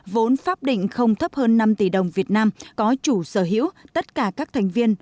vốn pháp định không thấp hơn năm tỷ đồng việt nam có chủ sở hữu tất cả các thành viên